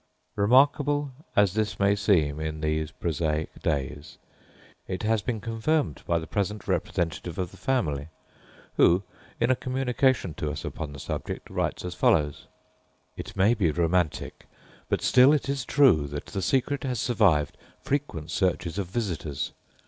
Remarkable as this may seem in these prosaic days, it has been confirmed by the present representative of the family, who, in a communication to us upon the subject, writes as follows: "It may be romantic, but still it is true that the secret has survived frequent searches of visitors.